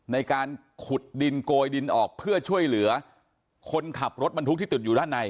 ในการขุดดินโกยดินออกเพื่อช่วยเหลือคนขับรถบรรทุกที่ติดอยู่ด้านใน